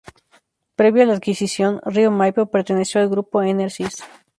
Previo a la adquisición, Río Maipo perteneció al Grupo Enersis.